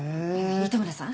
糸村さん。